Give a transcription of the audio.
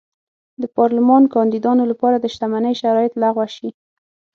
د پارلمان کاندېدو لپاره د شتمنۍ شرایط لغوه شي.